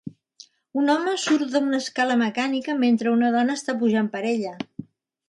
un home surt d'una escala mecànica mentre una dona està pujant per ella.